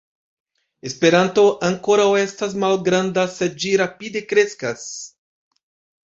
Esperanto ankoraŭ estas malgranda, sed ĝi rapide kreskas.